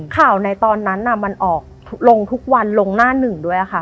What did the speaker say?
ในตอนนั้นมันออกลงทุกวันลงหน้าหนึ่งด้วยค่ะ